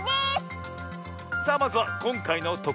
さあまずはこんかいのと